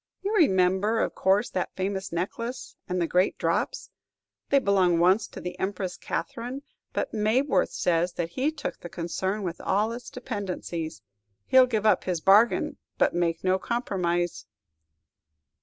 You remember, of course, that famous necklace, and the great drops! They belonged once to the Empress Catherine, but Mabworth says that he took the concern with all its dependencies; he 'll give up his bargain, but make no compromise."